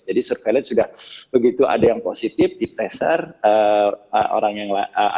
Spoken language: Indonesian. jadi surveillance sudah begitu ada yang positif di pressure